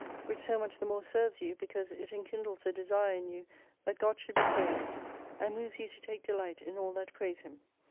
Which so much the more serves you, because it enkindles a desire in you that God should be praised, and moves you to take delight in all that praise Him.